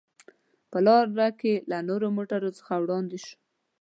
په لار کې له نورو موټرو څخه وړاندې شوو.